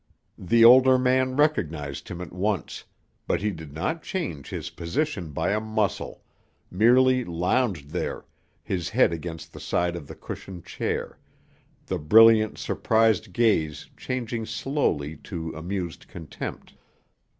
The older man recognized him at once, but he did not change his position by a muscle, merely lounged there, his head against the side of the cushioned chair, the brilliant, surprised gaze changing slowly to amused contempt.